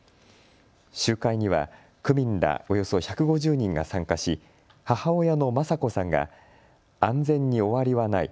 集会には区民らおよそ１５０人が参加し母親の正子さんが安全に終わりはない。